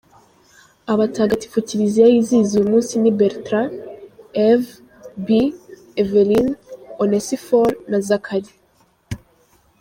Abatagatifu kiliziya yizihiza uyu munsi ni Bertrand, Eve, Bee, Evelyne, Onesiphore na Zacharie.